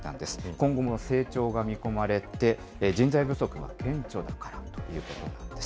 今後も成長が見込まれて、人材不足が顕著だからということなんです。